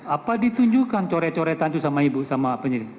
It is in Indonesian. apa ditunjukkan coret coretan itu sama ibu sama penyidik